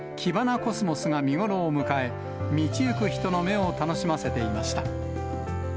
コスモスが見頃を迎え、道行く人の目を楽しませていました。